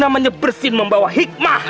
namanya bersin membawa hikmah